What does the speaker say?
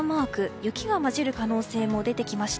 雪が交じる可能性も出てきました。